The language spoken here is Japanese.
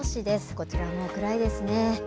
こちら、もう暗いですね。